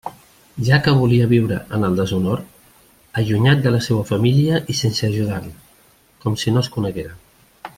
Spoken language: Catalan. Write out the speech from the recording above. Ja que volia viure en el deshonor, allunyat de la seua família i sense ajudar-la..., com si no es conegueren!